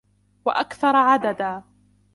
وَأَكْثَرَ عَدَدًا